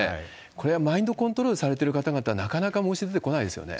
これはマインドコントロールされてる方々、なかなか申し出てこないですよね。